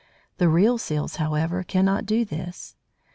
The real Seals, however, cannot do this.